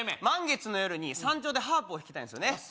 満月の夜に山頂でハープを弾きたいんですよね